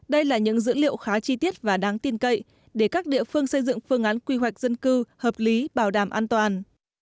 đây là những dữ liệu khá chi tiết và đáng tin cậy để các địa phương xây dựng phương án quy hoạch dân cư hợp lý bảo đảm an toàn